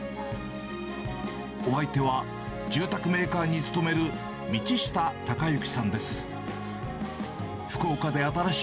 お相手は、住宅メーカーに勤める道下孝幸さんです。